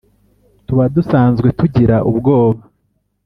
Tuba dusanzwe tugira ubwoba